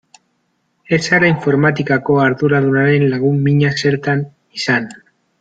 Ez zara informatikako arduradunaren lagun mina zertan izan.